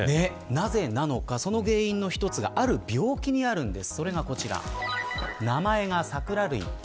なぜなのか、その原因の一つがある病気にあるんです。